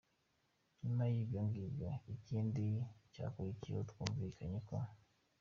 nyuma yibyo ngibyo ikindi cyakurikiye twumvikanye ko.